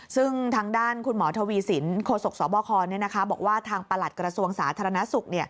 ซึ่งทางด้านคุณหมอทวีสินโฆษกสบคบอกว่าทางประหลัดกระทรวงสาธารณสุข